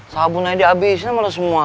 sabun aja abisnya